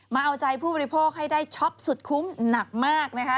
มาเอาใจผู้บริโภคให้ได้ช็อปสุดคุ้มหนักมากนะคะ